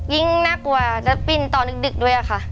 ยิ่งน่ากลัวจะปิ้นตอนดึกด้วยค่ะ